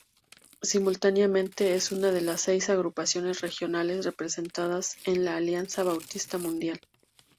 Simultáneamente, es una de las seis agrupaciones regionales representadas en la Alianza Bautista Mundial.